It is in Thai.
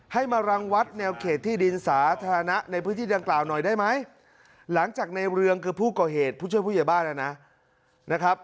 ให้มารังวัดแนวเขตที่ดินสาธารณะในพื้นที่ดังกล่าวหน่อยได้ไหมหลังจากในเรืองคือผู้ก่อเหตุผู้ช่วยผู้ใหญ่บ้านนะครับ